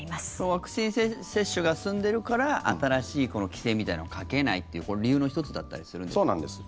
ワクチン接種が進んでいるから新しい規制みたいなのをかけないっていう理由の１つだったりするんですか。